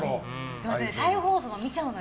再放送も見ちゃうの。